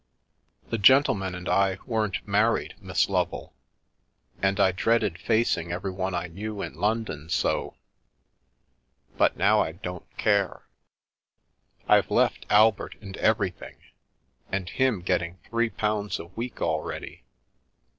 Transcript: The gentleman and I weren't married, Miss Lovel. And I dreaded facing everyone I knew in London so. But now I don't care. I've left Albert and everything, and him getting three pounds a week already.